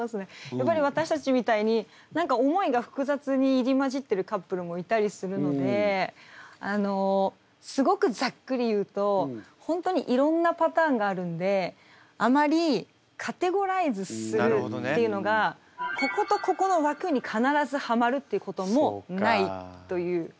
やっぱり私たちみたいに思いが複雑に入り交じってるカップルもいたりするのですごくざっくり言うと本当にいろんなパターンがあるんであまりカテゴライズするっていうのがこことここの枠に必ずはまるっていうこともないという。